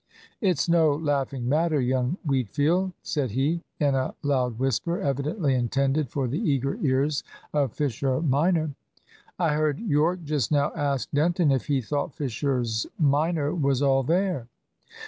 "It's no laughing matter, young Wheatfield," said he, in a loud whisper, evidently intended for the eager ears of Fisher minor. "I heard Yorke just now ask Denton if he thought Fisher's minor was all there.